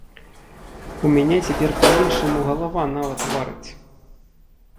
У мяне цяпер па-іншаму галава нават варыць.